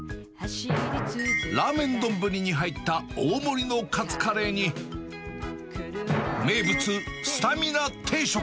ラーメン丼に入った大盛りのカツカレーに、名物スタミナ定食。